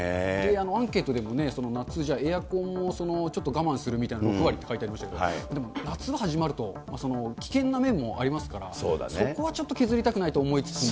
アンケートでもね、夏、エアコンをちょっと我慢するみたいなの６割って書いてありましたけど、夏が始まると危険な面もありますから、そこはちょっと削りたくないと思いつつも。